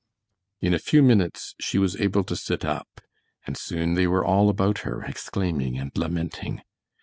In a few minutes she was able to sit up, and soon they were all about her, exclaiming and lamenting.